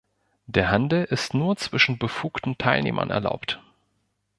Der Handel ist nur zwischen befugten Teilnehmern erlaubt.